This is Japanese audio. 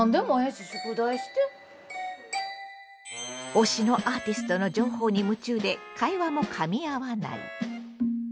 推しのアーティストの情報に夢中で会話もかみ合わない。